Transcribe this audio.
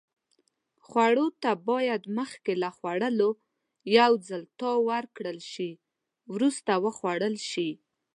خوړو ته باید مخکې له خوړلو یو ځل تاو ورکړل شي. وروسته وخوړل شي.